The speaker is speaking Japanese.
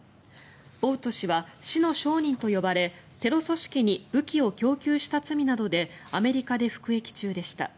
ボウト氏は死の商人と呼ばれテロ組織に武器を供給した罪などでアメリカで服役中でした。